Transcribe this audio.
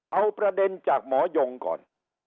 เอาประเด็นจากหมอยงก่อน